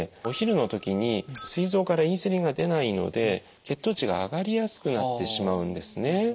お昼の時にすい臓からインスリンが出ないので血糖値が上がりやすくなってしまうんですね。